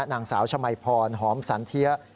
นางสาวชมัยพรหอมสันเทีย